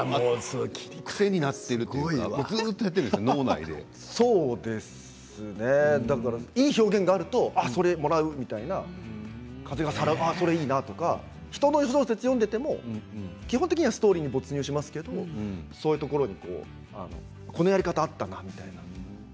癖になっているというか脳内でずっとやっているんですね。、いい表現があるとそれをもらうみたいな風がさらう、それがいいなとか人の小説を読んでいても基本的にストーリーに没入しますがそういうところにこのやり方があったなみたいな。